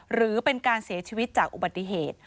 หรือเป็นการเสียชีวิตจากอุบัติเหตุ